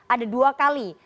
ada dua kali